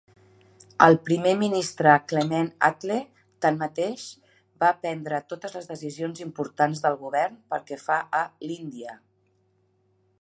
El primer ministre Clement Attlee, tanmateix, va prendre totes les decisions importants del govern pel que fa a l'Índia.